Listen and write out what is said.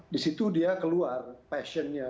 di situ dia keluar passionnya